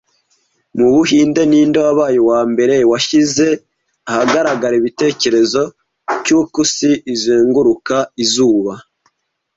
Mu Buhinde, ninde wabaye uwambere washyize ahagaragara igitekerezo cy'uko isi izenguruka izuba